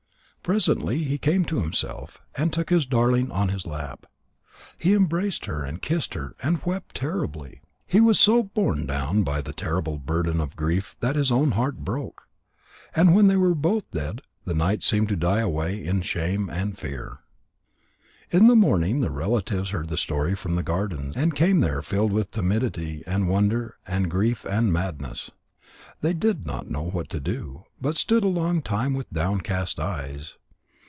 Presently he came to himself, and took his darling on his lap. He embraced her and kissed her and wept terribly. He was so borne down by the terrible burden of grief that his own heart broke. And when they were both dead, the night seemed to die away in shame and fear. In the morning the relatives heard the story from the gardeners, and came there filled with timidity and wonder and grief and madness. They did not know what to do, but stood a long time with downcast eyes.